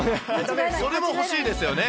それも欲しいですよね。